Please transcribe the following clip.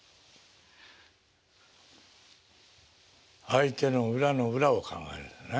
相手の裏の裏を考えるんですね。